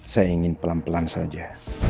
saya ingin pelan pelan saja